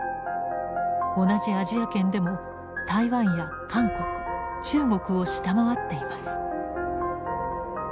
同じアジア圏でも台湾や韓国中国を下回っています。